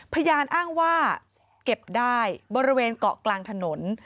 พยานอ้างว่าเก็บได้บริเวณเกาะกลางถนน